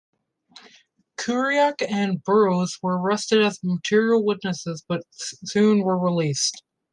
Kerouac and Burroughs were arrested as material witnesses but soon were released.